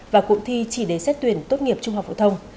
và cụm thi chỉ để xét tuyển tốt nghiệp trung học phổ thông